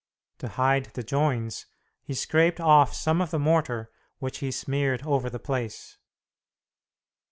To hide the joins, he scraped off some of the mortar, which he smeared over the place.